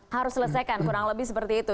harus selesaikan kurang lebih seperti itu